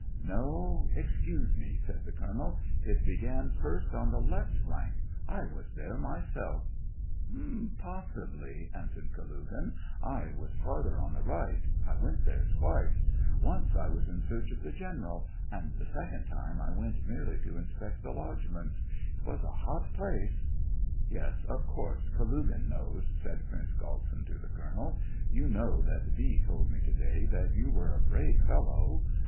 "No, excuse me," said the colonel; "it be gan first on the left flank. I was there myself'' "Possibly," answered Kalugin. I was farther on the right ; I went there twice. Onee I was in search of the general y and the second time I tvefzt merely to ijtspect the lodgements. It zvas a hot place:' " Yes, of course, Kalugin knows," said Prince 112 SEVASTOPOL IN MAY. Galtsin to the colonel. " You know that V. told me to day that you were a brave fellow.